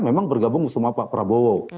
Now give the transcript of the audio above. memang bergabung bersama pak prabowo